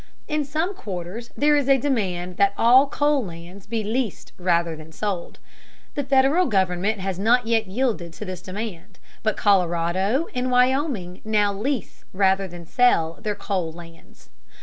In some quarters there is a demand that all coal lands be leased rather than sold. The Federal government has not yet yielded to this demand, but Colorado and Wyoming now lease rather than sell their coal lands.